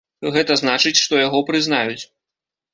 Гэта значыць, што яго прызнаюць.